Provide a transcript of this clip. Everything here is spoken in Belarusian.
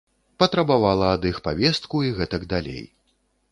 Патрабавала ад іх павестку і гэтак далей.